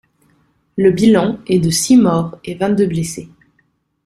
Le bilan est de six morts et vingt-deux blessés.